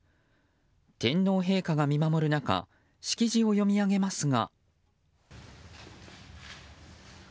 天皇陛下が見守る中式辞を読み上げますが。